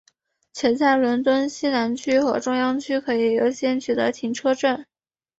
且在伦敦西南区和中央区可以优先取得停车证。